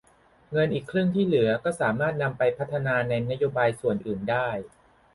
เงินอีกครึ่งที่เหลือก็สามารถนำไปพัฒนาในนโยบายส่วนอื่นได้